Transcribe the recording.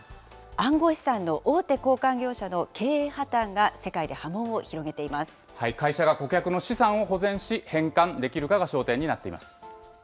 暗号資産の大手交換業者の経営破会社が顧客の資産を保全し、返還できるかが焦点になっています。